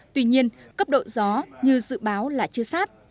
tuy nhiên cấp độ gió như dự báo là chưa sát